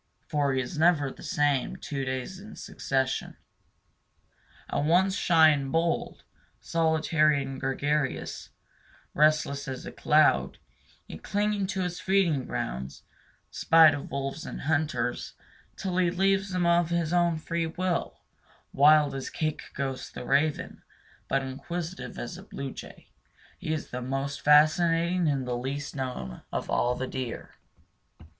For he is never the same two days in succession. At once shy and bold, solitary and gregarious; restless as a cloud, yet clinging to his feeding grounds, spite of wolves and hunters, till he leaves them of his own free will; wild as Kakagos the raven, but inquisitive as a blue jay, he is the most fascinating and the least known of all the deer.